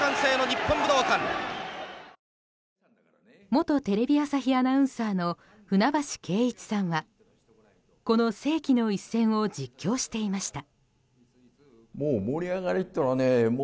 元テレビ朝日アナウンサーの舟橋慶一さんはこの世紀の一戦を実況していました。